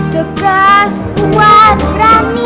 tegas kuat berani